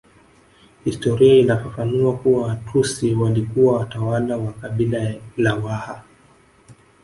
Historia inafafanua kuwa Watusi walikuwa watawala wa kabila la Waha